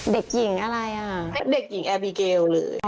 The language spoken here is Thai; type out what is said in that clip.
เด็กหญิงแอบีเกล